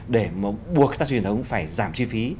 để buộc taxi truyền thống phải giảm chi phí